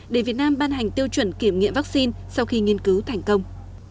để việt nam ban hành tiêu chuẩn kiểm nghiệm vaccine sau khi nghiên cứu thành công